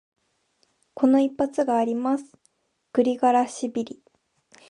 この一発があります、グリガラシビリ。